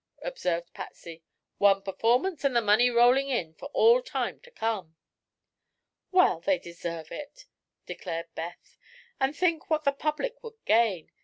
observed Patsy. "One performance and the money rolling in for all time to come." "Well, they deserve it," declared Beth. "And think of what the public would gain!